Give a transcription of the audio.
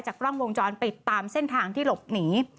กล้องวงจรปิดตามเส้นทางที่หลบหนี